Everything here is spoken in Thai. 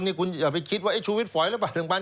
นี่คุณอย่าไปคิดว่าชูวิทฝอยหรือเปล่า